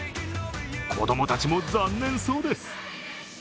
子供たちも残念そうです。